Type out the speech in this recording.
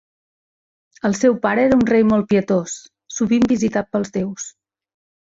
El seu pare era un rei molt pietós, sovint visitat pels déus.